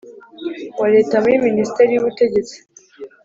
wa Leta muri Minisiteri y Ubutegetsi